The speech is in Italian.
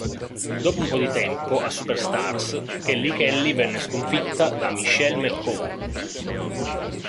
Dopo un po' di tempo a Superstars, Kelly Kelly viene sconfitta da Michelle McCool.